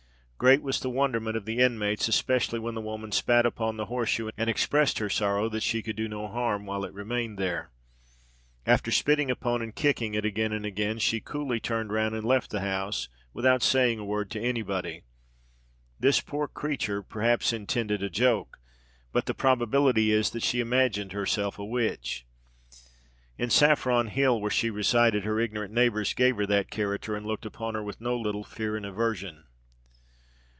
Great was the wonderment of the inmates, especially when the woman spat upon the horse shoe, and expressed her sorrow that she could do no harm while it remained there. After spitting upon, and kicking it again and again, she coolly turned round and left the house, without saying a word to any body. This poor creature perhaps intended a joke, but the probability is that she imagined herself a witch. In Saffron Hill, where she resided, her ignorant neighbours gave her that character, and looked upon her with no little fear and aversion."